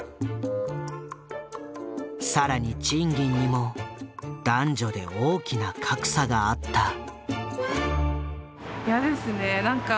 さらに賃金にも男女で大きな格差があった。